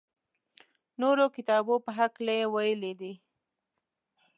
نورو کتابو په هکله یې ویلي دي.